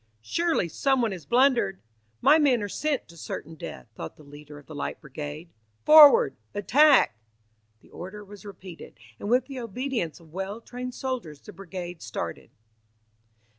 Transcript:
"Surely someone has blundered! My men are sent to certain death," thought the leader of the Light Brigade. "Forward! Attack!" The order was repeated, and with the obedience of well trained soldiers the Brigade started.